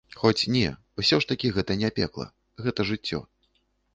Хоць не, усё ж такі гэта не пекла, гэта жыццё.